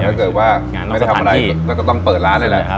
แล้วก็ต้องเปิดร้านเลยแหละ